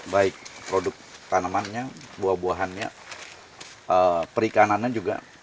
baik produk tanamannya buah buahannya perikanannya juga